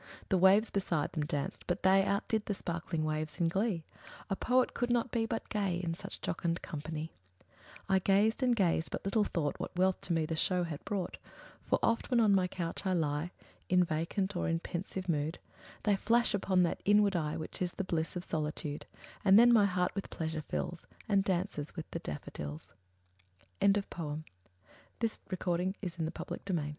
The waves beside them danced; but they Outdid the sparkling waves in glee; A poet could not but be gay, In such a jocund company; I gazed and gazed but little thought What wealth to me the show had brought: For oft, when on my couch I lie In vacant or in pensive mood, They flash upon that inward eye Which is the bliss of solitude; And then my heart with pleasure fills, And dances with the daffodils. William Wordsworth The Longest Day LET us quit